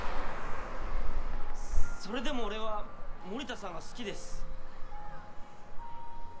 それでも俺は森田さんが好きです！